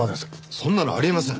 そんなのあり得ません。